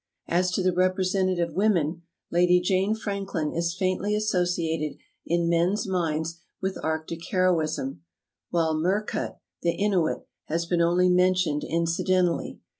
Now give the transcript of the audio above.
As to the representative women. Lady Jane Franklin is faintly associated in men's minds with arctic hero ism, while Merkut, the Inuit, has been only mentioned incidentally.